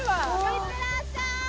・いってらっしゃい！